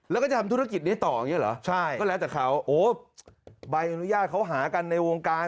แล้วก็จะทำธุรกิจนี้ต่ออย่างนี้เหรอใช่ก็แล้วแต่เขาโอ้ใบอนุญาตเขาหากันในวงการ